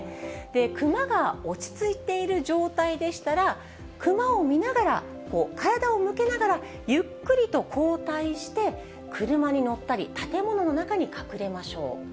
クマが落ち着いている状態でしたら、クマを見ながら、体を向けながら、ゆっくりと後退して、車に乗ったり、建物の中に隠れましょう。